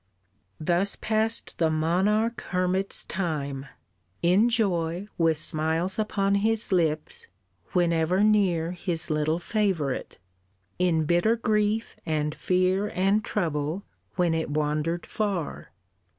Thus passed the monarch hermit's time; in joy, With smiles upon his lips, whenever near His little favourite; in bitter grief And fear, and trouble, when it wandered far.